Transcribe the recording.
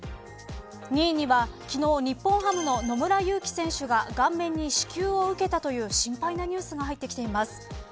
２位には、昨日、日本ハムの野村佑希選手が顔面に死球を受けたという心配なニュースが入ってきています。